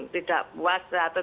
tidak puas atau